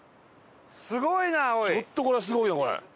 ちょっとこれはすごいな！